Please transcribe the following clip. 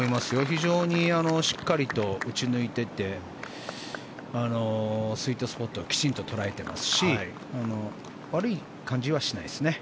非常にしっかりと打ち抜いていてスイートスポットをきちんと捉えていますし悪い感じはしないですね。